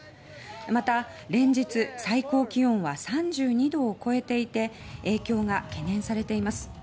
また、連日最高気温は３２度を超えていて影響が懸念されています。